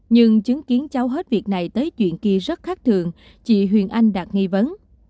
nhưng chứng kiến cháu hết việc này tới chuyện kia rất khắc thường chị huyền anh đạt nghi vấn